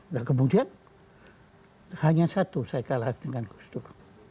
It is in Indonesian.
nah kemudian hanya satu saya kalah dengan gusdur